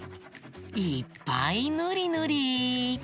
いっぱいぬりぬり！